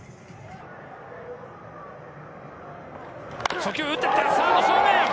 初球を打っていった、サード正面。